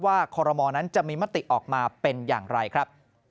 คอรมอนั้นจะมีมติออกมาเป็นอย่างไรครับ